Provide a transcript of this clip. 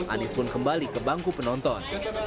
anies pun kembali ke bangku penonton